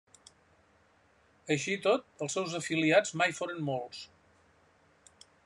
Així i tot, els seus afiliats mai foren molts.